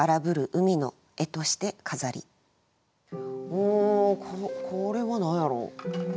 ほうこれは何やろう。